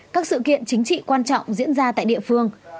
các sự kiện chính trị quan trọng diễn ra tại địa phương